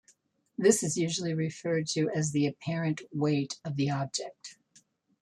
This is usually referred to as the apparent weight of the object.